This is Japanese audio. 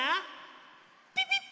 ピピッ！